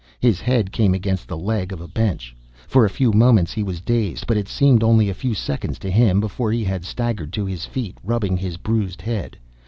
His head came against the leg of a bench. For a few moments he was dazed. But it seemed only a few seconds to him before he had staggered to his feet, rubbing his bruised head.